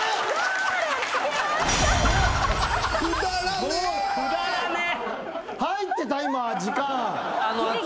くだらねえ！